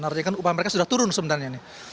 artinya kan upah mereka sudah turun sebenarnya ini